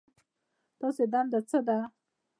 ستاسو دنده څه ده؟